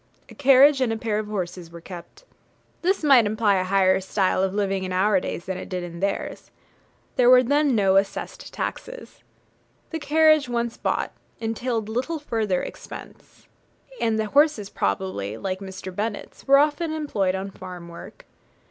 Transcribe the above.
A carriage and a pair of horses were kept. This might imply a higher style of living in our days than it did in theirs. There were then no assessed taxes. The carriage, once bought, entailed little further expense; and the horses probably, like Mr. Bennet's, were often employed on farm work.